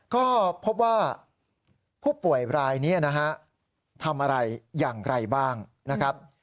ก็พบว่าผู้ป่วยรายนี้นะฮะทำอะไรอย่างไรบ้างนะครับ